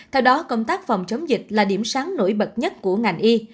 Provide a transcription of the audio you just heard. theo đó công tác phòng chống dịch là điểm sáng nổi bật nhất của ngành y